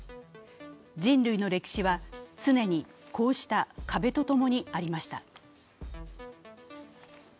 人類の歴史は、常にこうした壁とともにありました。